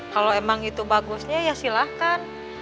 kalau emang itu bagusnya ya silahkan